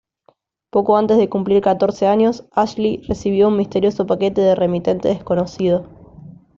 Poco antes de cumplir catorce años, Ashley recibió un misterioso paquete de remitente desconocido.